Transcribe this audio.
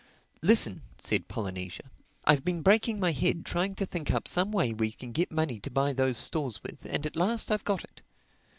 "Listen," said Polynesia, "I've been breaking my head trying to think up some way we can get money to buy those stores with; and at last I've got it."